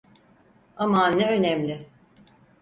Aman ne önemli!